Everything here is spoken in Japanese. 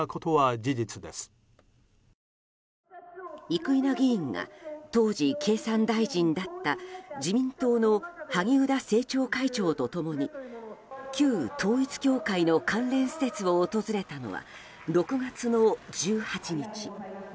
生稲議員が当時経産大臣だった自民党の萩生田政調会長と共に旧統一教会の関連施設を訪れたのは６月の１８日。